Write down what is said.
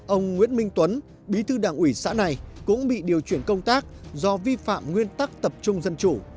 ông nguyễn minh tuấn bí thư đảng ủy xã này cũng bị điều chuyển công tác do vi phạm nguyên tắc tập trung dân chủ